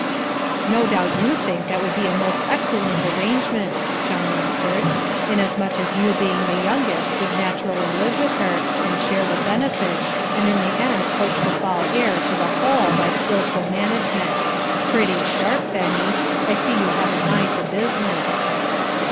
"No doubt you think that would be a most excellent arrangement," John answered, "inasmuch as you being the youngest would naturally live with her, and share the benefits, and in the end hope to fall heir to the whole, by skilful management. Pretty sharp, Benny! I see you have an eye to business."